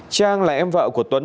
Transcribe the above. trang là em vợ của tuấn